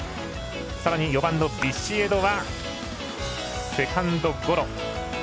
さらに４番のビシエドはセカンドゴロ。